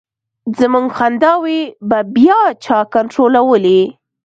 زمونږ خنداوې به بیا چا کنټرولولې.